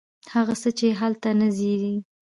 هغه څه، چې هلته نه زیږي